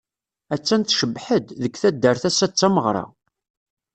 Attan tcebbeḥ-d, deg taddart assa d tameɣra.